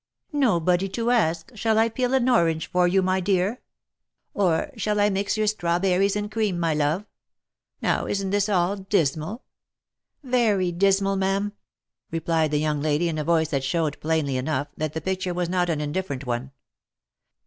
Nobody to ask, ' Shall I peel an orange for you, my dear ?' or, < Shall I mix your strawberries and cream, my love V Now isn't this all dismal ?"" Very dismal, ma'am !." replied the young lady in a voice that showed plainly enough, that the picture was not an indifferent one.